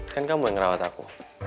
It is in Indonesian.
kan kamu yang ngerawat aku